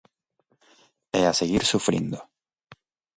E a seguir sufrindo.